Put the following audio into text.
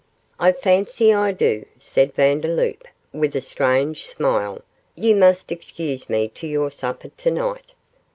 'I fancy I do,' said Vandeloup, with a strange smile. 'You must excuse me to your supper to night.